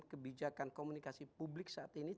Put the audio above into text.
kebijakan komunikasi publik saat ini